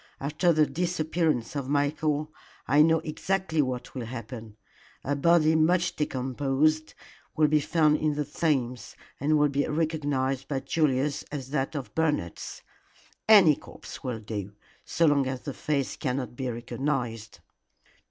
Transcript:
"After the disappearance of Michael I know exactly what will happen. A body much decomposed will be found in the Thames, and will be recognized by Julius as that of Bernard's. Any corpse will do, so long as the face cannot be recognized."